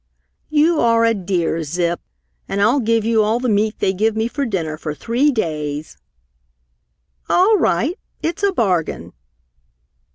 "You are a dear, Zip! And I'll give you all the meat they give me for dinner for three days!" "All right; it's a bargain."